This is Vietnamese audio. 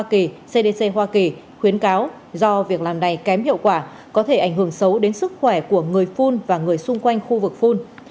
khuyến cáo do việc làm này kém hiệu quả có thể ảnh hưởng xấu đến sức khỏe của người phun và người xung quanh khu vực phun